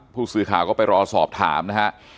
ผู้สื่อข่าวก็ไปรอสอบถามนะฮะ